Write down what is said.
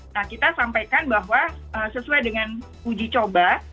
nah kita sampaikan bahwa sesuai dengan uji coba